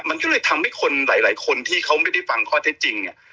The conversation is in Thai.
มันก็เลยทำให้คนหลายคนที่เขาไม่ได้ฟังข้อเท็จจริงเนี่ย